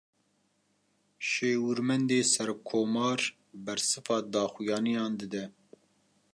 Şêwirmendê serokkomar, bersiva daxuyaniyan dide